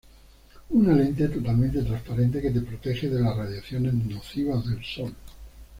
Una lente totalmente transparente que te protege de las radiaciones nocivas del sol.